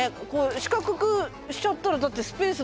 四角くしちゃったらだってスぺース